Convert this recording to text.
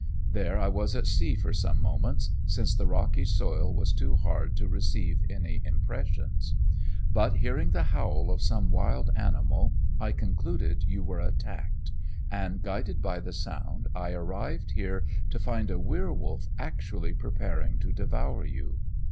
There I was at sea for some moments, since the rocky soil was too hard to receive any impressions. But hearing the howl of some wild animal, I concluded you were attacked, and, guided by the sound, I arrived here to find a werwolf actually preparing to devour you.